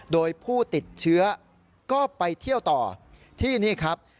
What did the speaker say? โดยผู้ติดเชื้อก็ไปเที่ยวต่อที่นี่ครับ